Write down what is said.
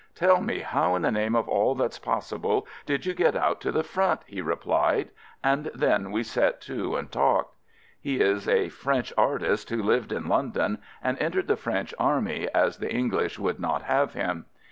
"Tell me how in the name of all that's possible, did you get out to the front," he replied, and then we set to and talked. He is a French artist who lived in London and entered the French army, as the English would not have him.